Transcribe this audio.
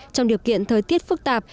trong điều kiện thời tiết phức tạp